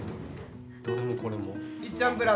どれもこれも。